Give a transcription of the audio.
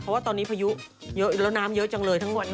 เพราะว่าตอนนี้พายุแล้วน้ำเยอะจังเลย